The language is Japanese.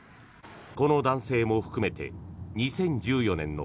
この男性も含めて２０１４年の